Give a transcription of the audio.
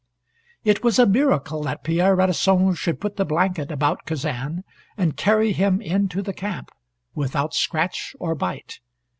It was a miracle that Pierre Radisson should put the blanket about Kazan, and carry him in to the camp, without scratch or bite.